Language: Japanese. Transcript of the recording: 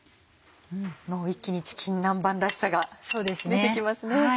もう一気にチキン南蛮らしさが出てきますね。